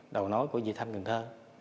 đầu nối của dị thanh cần thơ